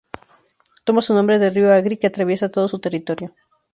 Toma su nombre del río Agri, que atraviesa todo su territorio.